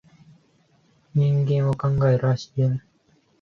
人間は考える葦である